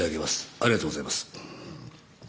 ありがとうございます。